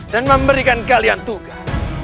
dan memberikan kalian tugas